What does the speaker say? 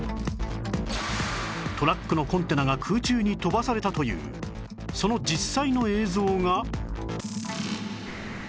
トラックのコンテナが空中に飛ばされたというその実際の映像が